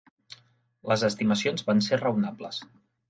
Les estimacions van ser raonables.